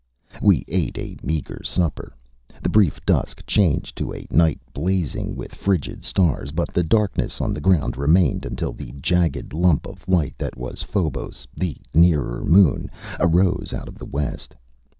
We ate a meager supper. The brief dusk changed to a night blazing with frigid stars. But the darkness on the ground remained until the jagged lump of light that was Phobos, the nearer moon, arose out of the west.